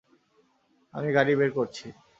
আমি গাড়ি বের করছি।